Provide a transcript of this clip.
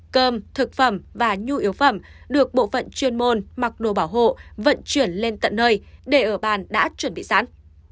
cơm thực phẩm và nhu yếu phẩm được bộ phận chuyên môn mặc đồ bảo hộ vận chuyển lên tận nơi để ở bàn đã chuẩn bị sẵn